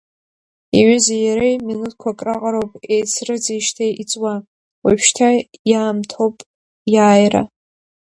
Иҩызеи иареи минуҭкәак раҟароуп еицрыҵижьҭеи иҵуа, уажәшьҭа иаамҭоуп иааира.